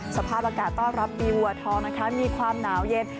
สภาพอากาศต้อนรับดีวัวทองนะคะมีความหนาวเย็น